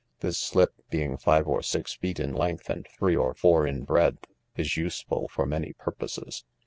This slip, oeing five or six feet in length and three or four in breadth, is useful for many purposes.